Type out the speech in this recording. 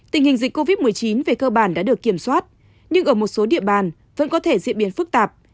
tình hình dịch covid một mươi chín về cơ bản đã được kiểm soát nhưng ở một số địa bàn vẫn có thể diễn biến phức tạp